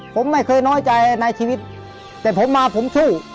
ผมไม่เคยน้อยใจในชีวิตแต่ผมมาผมสู้